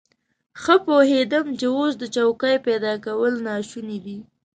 ښه پوهېدم چې اوس د څوکۍ پيدا کول ناشوني دي.